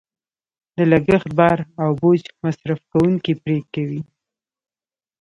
د لګښت بار او بوج مصرف کوونکې پرې کوي.